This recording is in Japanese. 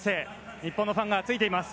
日本のファンがついています。